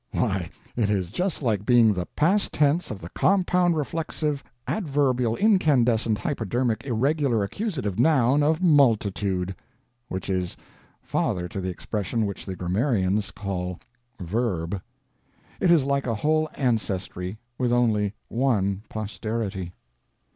Why, it is just like being the past tense of the compound reflexive adverbial incandescent hypodermic irregular accusative Noun of Multitude; which is father to the expression which the grammarians call Verb. It is like a whole ancestry, with only one posterity.